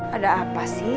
ada apa sih